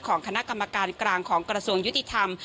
ของคณะกรรมการกลางของกระทรวงยุติธรรม